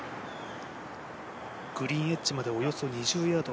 グリーンエッジまでおよそ２０ヤード。